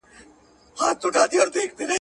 په شپېلۍ د اسرافیل ګوندي خبر سو .